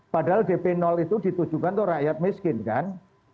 padahal dp itu ditujukan untuk rakyat miskin kan